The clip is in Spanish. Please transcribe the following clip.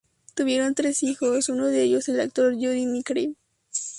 Tuvieron tres hijos, unos de ellos el actor Jody McCrea.